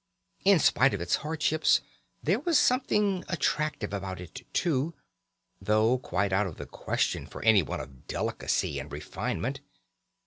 In spite of its hardships there was something attractive about it too, though quite out of the question for anyone of delicacy and refinement.